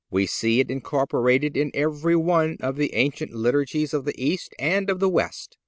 We see it incorporated in every one of the ancient Liturgies of the East and of the West.